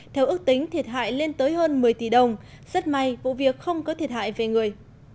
theo ước tính thiệt hại lên tới hơn một mươi tỷ đồng rất may vụ việc không có thiệt hại về người